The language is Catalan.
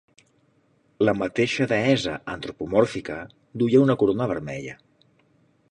La mateixa deessa antropomòrfica duia una corona vermella.